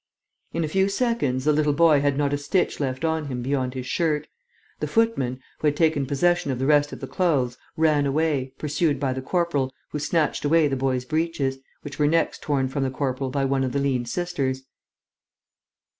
In a few seconds the little boy had not a stitch left on him beyond his shirt. The footman, who had taken possession of the rest of the clothes, ran away, pursued by the corporal, who snatched away the boy's breeches, which were next torn from the corporal by one of the lean sisters.